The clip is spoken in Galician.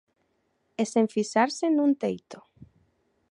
E sen fixarse nun teito.